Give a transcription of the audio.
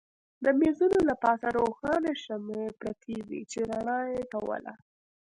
د مېزونو له پاسه روښانه شمعې پرتې وې چې رڼا یې کوله.